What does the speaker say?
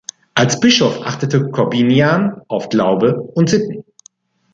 Als Bischof achtete Korbinian auf Glaube und Sitten.